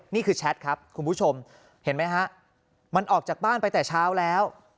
แชทครับคุณผู้ชมเห็นไหมฮะมันออกจากบ้านไปแต่เช้าแล้ว